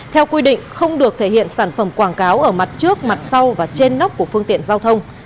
theo quy định không được thể hiện sản phẩm quảng cáo ở mặt trước mặt sau và trên nóc của phương tiện giao thông